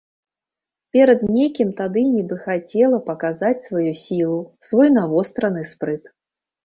Перад некім тады нібы хацела паказаць сваю сілу, свой навостраны спрыт.